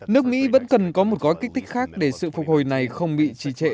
nước mỹ vẫn cần có một gói kích thích khác để sự phục hồi này không bị trì trệ